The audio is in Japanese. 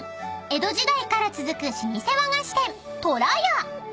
［江戸時代から続く老舗和菓子店］